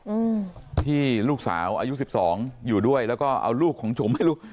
อืมที่ลูกสาวอายุสิบสองอยู่ด้วยแล้วก็เอาลูกของจุ๋มให้ลูก